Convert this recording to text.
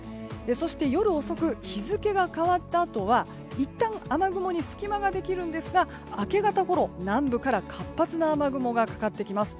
そして夜遅く日付が変わったあとはいったん雨雲に隙間ができるんですが明け方ごろ、南部から活発な雨雲がかかってきます。